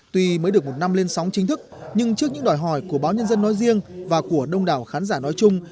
tuy mới được một năm lên sóng chính thức nhưng trước những đòi hỏi của báo nhân dân nói riêng và của đông đảo khán giả nói chung